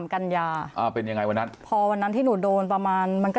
กัญญาอ่าเป็นยังไงวันนั้นพอวันนั้นที่หนูโดนประมาณมันก็